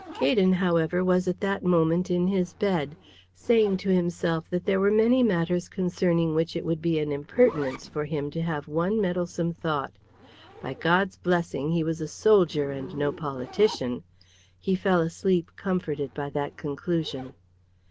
Gaydon, however, was at that moment in his bed, saying to himself that there were many matters concerning which it would be an impertinence for him to have one meddlesome thought. By God's blessing he was a soldier and no politician. He fell asleep comforted by that conclusion.